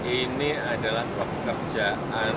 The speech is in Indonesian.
ini adalah pekerjaan